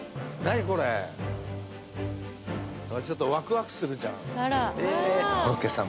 ちょっとワクワクするじゃん「コロッケさん